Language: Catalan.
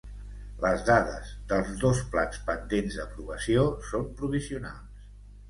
Les dades dels dos plans pendents d'aprovació són provisionals.